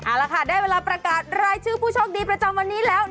เอาละค่ะได้เวลาประกาศรายชื่อผู้โชคดีประจำวันนี้แล้ว